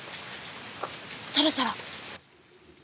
そろそろ！